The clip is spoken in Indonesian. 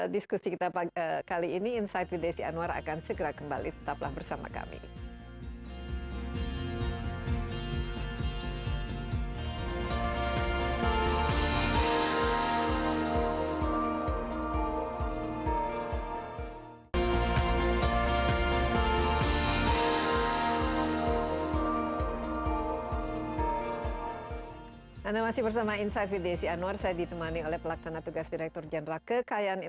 diskusi kita kali ini insight with desi anwar akan segera kembali